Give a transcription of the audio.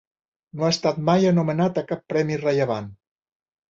No ha estat mai anomenat a cap premi rellevant.